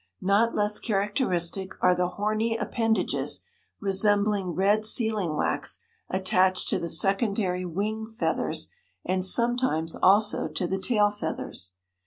Not less characteristic are the horny appendages resembling red sealing wax attached to the secondary wing feathers and sometimes also to the tail feathers.